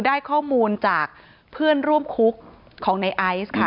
ได้ข้อมูลจากเพื่อนร่วมคุกของในไอซ์ค่ะ